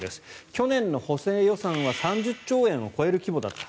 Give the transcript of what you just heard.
去年の補正予算は３０兆円を超える規模だった。